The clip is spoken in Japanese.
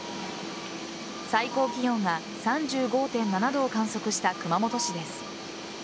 最高気温が３５．７度を観測した熊本市です。